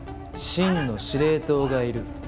真の司令塔がいる。